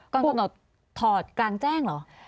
ก็ถอดการแจ้งเหรอ